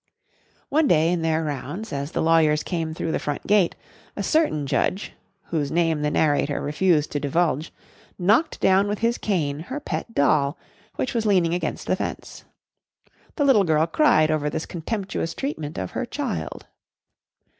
One day in their rounds, as the lawyers came through the front gate, a certain judge, whose name the narrator refused to divulge, knocked down with his cane her pet doll, which was leaning against the fence. The little girl cried over this contemptuous treatment of her "child."